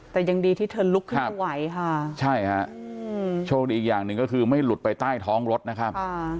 แต่ยังดีที่เธอลุกขึ้นมาไหวค่ะใช่ฮะโชคดีอีกอย่างหนึ่งก็คือไม่หลุดไปใต้ท้องรถนะครับ